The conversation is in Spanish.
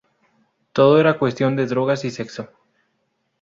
Todo era cuestión de drogas y sexo.